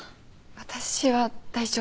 私は大丈夫。